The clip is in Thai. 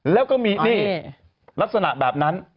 แล้วก็มีนี่ลักษณะแบบนั้น